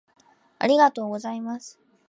ありがとうございます